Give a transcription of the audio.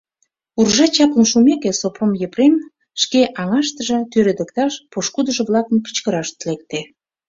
Уржа чаплын шумеке, Сопром Епрем шке аҥаштыже тӱредыкташ пошкудыжо-влакым кычкыраш лекте.